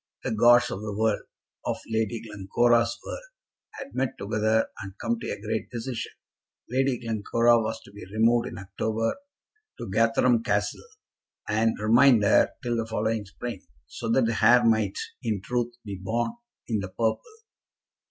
The gods of the world, of Lady Glencora's world, had met together and come to a great decision. Lady Glencora was to be removed in October to Gatherum Castle, and remain there till the following spring, so that the heir might, in truth, be born in the purple.